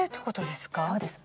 そうです。